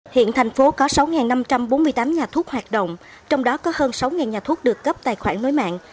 hiện thành phố có sáu năm trăm bốn mươi tám nhà thuốc hoạt động trong đó có hơn sáu nhà thuốc được cấp tài khoản nối mạng